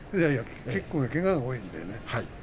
結構けがが多いんだよね。